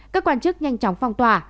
các quan chức nhanh chóng phong tỏa